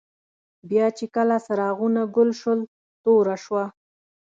بیا چي کله څراغونه ګل شول، توره شوه.